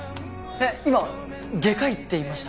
えっ今外科医って言いました？